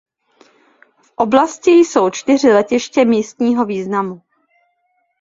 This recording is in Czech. V oblasti jsou čtyři letiště místního významu.